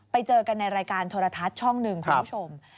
ไปเจอกันในรายการโทรทัศน์ช่องหนึ่งคุณผู้ชม